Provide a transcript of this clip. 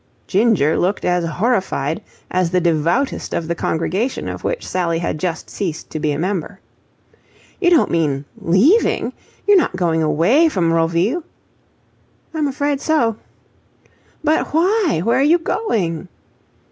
Ginger looked as horrified as the devoutest of the congregation of which Sally had just ceased to be a member. "You don't mean leaving? You're not going away from Roville?" "I'm afraid so." "But why? Where are you going?"